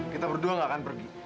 kita berdua gak akan pergi